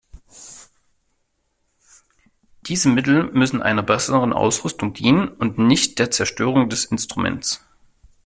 Diese Mittel müssen einer besseren Ausrüstung dienen und nicht der Zerstörung des Instruments.